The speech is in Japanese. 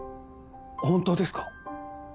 本当ですか？